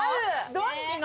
ドンキの。